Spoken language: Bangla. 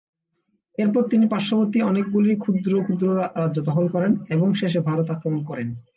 এরপর তিনি পার্শ্ববর্তী অনেকগুলি ক্ষুদ্র ক্ষুদ্র রাজ্য দখল করেন এবং শেষে ভারত আক্রমণ করেন।